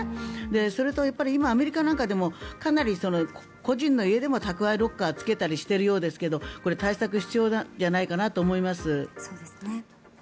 それと今、アメリカなんかでも個人の家でも宅配ロッカーをつけたりしているようですが対策が必要なんじゃないかなと思います。